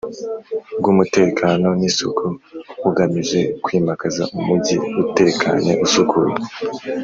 Bw umutekano n isuku bugamije kwimakaza umugi utekanye usukuye